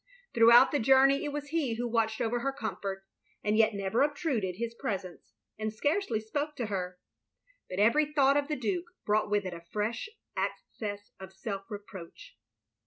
Throughout the journey it was he who watched over her comfort, and yet never obtruded his presence, and scarcely spoke to her. But every thought of the Duke brought with it a fresh access of self reproach.